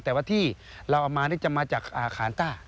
แต่ว่าที่เราเอามานี่จะมาจากอาคารต้า